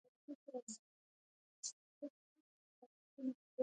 د ادب له لارې موږ خپل هویت خوندي کوو.